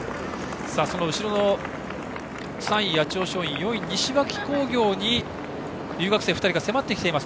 後ろの３位、八千代松陰４位、西脇工業に留学生２人が迫ってきています